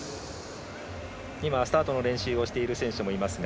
今、スタートの練習をしている選手もいますが